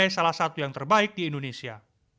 salah satu yang terbaik di indonesia